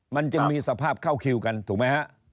มันจึงมีสภาพเข้าคิวกันถูกไหมฮะ